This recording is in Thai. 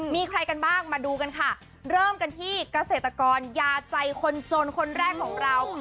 มีใครกันบ้างมาดูกันค่ะเริ่มกันที่เกษตรกรยาใจคนจนคนแรกของเรา